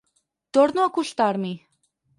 Torno a acostar-m'hi.